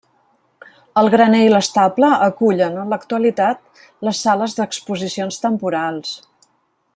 El graner i l'estable acullen en l'actualitat les sales d'exposicions temporals.